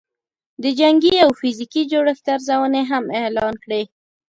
د جنګي او فزیکي جوړښت ارزونې هم اعلان کړې